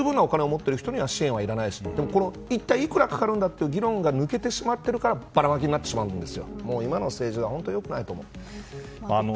じゃあ、十分なお金を持っている人には支援はいらないし一体いくらかかるかっていう議論が抜けているからばらまきになってしまうんです。